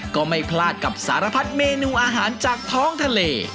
ก็ไม่พลาดกับสารพัดเมนูอาหารจากท้องทะเล